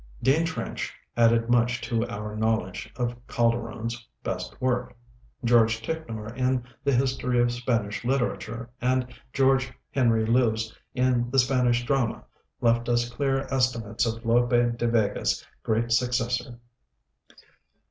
Dean Trench added much to our knowledge of Calderon's best work; George Ticknor in the 'History of Spanish Literature,' and George Henry Lewes in 'The Spanish Drama,' left us clear estimates of Lope de Vega's great successor.